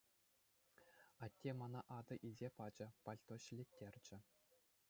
Атте мана атӑ илсе пачӗ, пальто ҫӗлеттерчӗ.